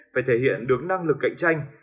phải thể hiện được năng lực cạnh tranh